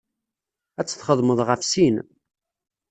Ad tt-txedmeḍ ɣef sin.